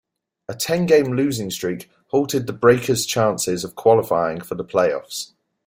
A ten-game losing streak halted the Breakers chances of qualifying for the playoffs.